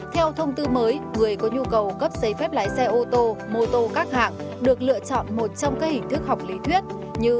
theo thông tư mới người có nhu cầu cấp giấy phép lái xe ô tô mô tô các hạng được lựa chọn một trong các hình thức học lý thuyết như